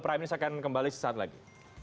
saya akan kembali sesaat lagi